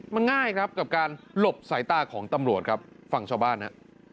มันง่ายครับกับการหลบสายตาของตำรวจครับฟังชาวบ้านฮะ